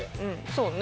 そうね。